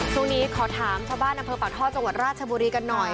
ขอถามชาวบ้านอำเภอปากท่อจังหวัดราชบุรีกันหน่อย